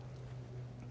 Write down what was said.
jadi itu sebagainya